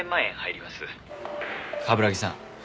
冠城さん